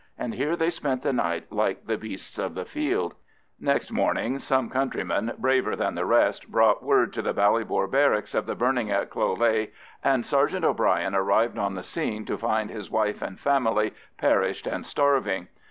And here they spent the night like the beasts of the fields. Next morning some countryman, braver than the rest, brought word to the Ballybor Barracks of the burning at Cloghleagh, and Sergeant O'Bryan arrived on the scene to find his wife and family perished and starving.